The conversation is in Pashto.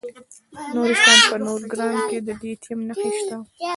د نورستان په نورګرام کې د لیتیم نښې شته.